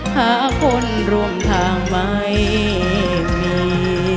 หาคนรวมทางไว้มี